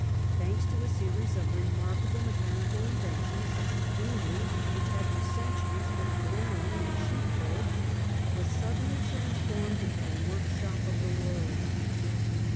Thanks to a series The In of remarkable mechanical inventions, England, which had for cen ^"^'T^ turies been a granary and a sheepfold, was suddenly transformed rian Re into the workshop of the world.